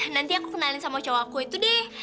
nanti aku kenalin sama cowokku itu deh